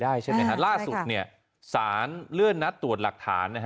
ได้ใช่ไหมใช่ครับล่าสุดเนี่ยสานเลือกรักฐาน